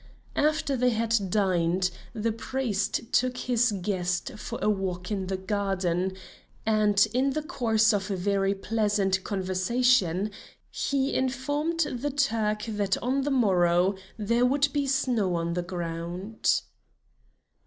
After they had dined, the priest took his guest for a walk in the garden, and in the course of a very pleasant conversation he informed the Turk that on the morrow there would be snow on the ground.